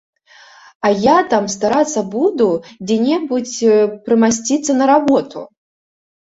А я там старацца буду дзе-небудзь прымасціцца на работу.